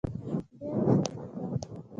ډېره شرمېدم.